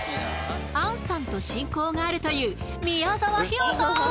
杏さんと親交があるという宮沢氷魚さん